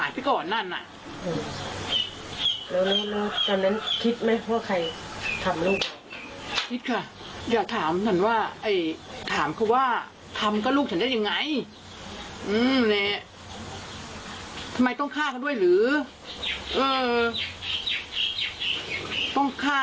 ต้องฆ่าตรงแก่กันด้วยอืม